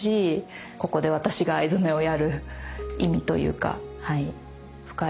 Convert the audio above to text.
ここで私が藍染めをやる意味というか深いご縁を感じます。